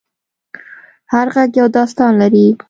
هر غږ یو داستان لري.